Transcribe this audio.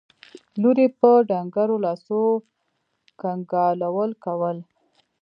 لور يې په ډنګرو لاسو کنګالول کول.